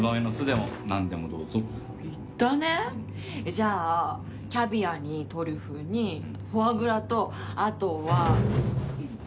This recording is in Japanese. じゃあ、キャビアにトリュフにフォアグラと、あとは。